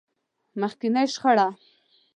مخکينۍ شخړه.